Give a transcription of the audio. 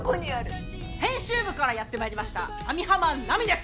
編集部からやって参りました網浜奈美です。